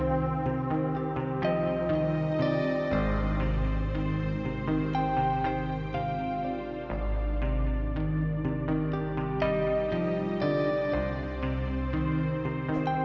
saya bisa ke rumah sama anak sahabat